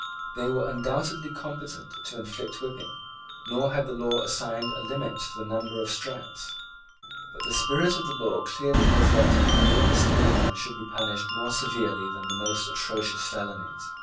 They were undoubtedly competent to inflict whipping; nor had the law assigned a limit to the number of stripes. But the spirit of the law clearly was that no misdemeanour should be punished more severely than the most atrocious felonies.